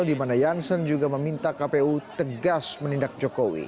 di mana jansen juga meminta kpu tegas menindak jokowi